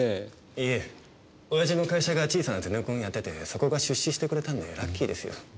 いえ親父の会社が小さなゼネコンをやっててそこが出資してくれたんでラッキーですよ。